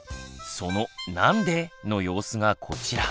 その「なんで？」の様子がこちら。